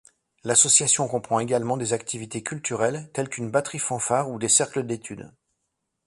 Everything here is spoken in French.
L'association comprend également des activités culturelles, telles qu'une batterie-fanfare ou des cercles d’études.